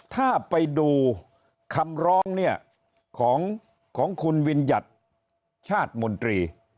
ถ้าไปดูคำร้องเนี่ยของคุณวิญญัติชาติมนตรี